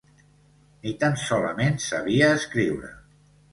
Ni tan solament sabia escriure.